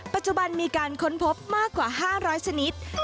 ปัจจุบันมีการค้นพบมากกว่า๕๐๐ชนิด